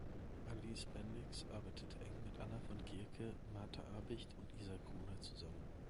Alice Bendix arbeitete eng mit Anna von Gierke, Martha Abicht und Isa Gruner zusammen.